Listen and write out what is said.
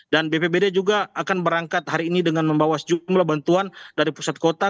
dan bpbd juga akan berangkat hari ini dengan membawa jumlah bantuan dari pusat kota